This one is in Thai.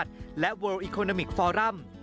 กลับวันนั้นไม่เอาหน่อย